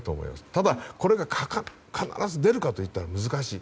ただ、これが必ず出るかというと非常に難しい。